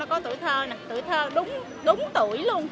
có tuổi thơ tuổi thơ đúng tuổi luôn